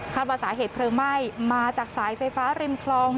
ว่าสาเหตุเพลิงไหม้มาจากสายไฟฟ้าริมคลอง